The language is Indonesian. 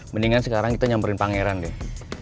mendingan sekarang kita nyamperin pangeran deh